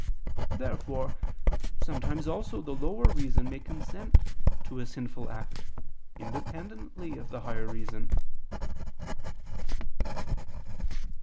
Therefore sometimes also the lower reason may consent to a sinful act, independently of the higher reason.